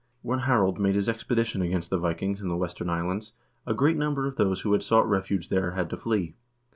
When Harald made his expedition against the Vikings in the western islands, a great number of those who had sought refuge there had to flee.